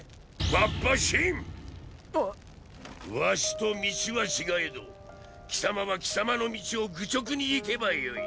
儂と道は違えど貴様は貴様の道を愚直に行けばよい。